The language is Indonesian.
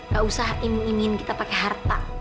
gak usah ingin kita pake harta